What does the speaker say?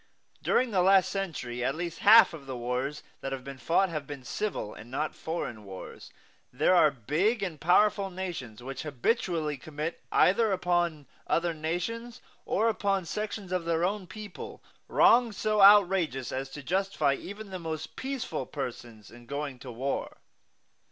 During the last century at least half of the wars that have been fought have been civil and not foreign wars. There are big and powerful nations which habitually commit, either upon other nations or upon sections of their own people, wrongs so outrageous as to justify even the most peaceful persons in going to war.